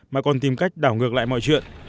mà còn tìm cách đảo ngược lại mọi chuyện